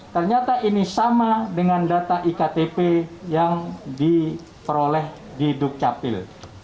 ternyata ini sama dengan data iktp yang diperoleh di dukcapil